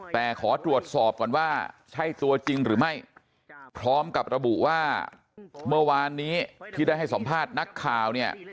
แต่ขอตรวจสอบก่อนว่า